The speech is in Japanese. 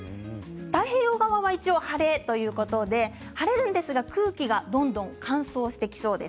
太平洋側は一応晴れということで晴れるんですが、空気がどんどん乾燥してきそうです。